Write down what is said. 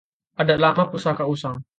Adat lama pusaka usang